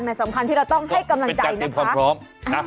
มันสำคัญที่เราต้องให้กำลังใจนะครับก็เป็นการเป็นความพร้อม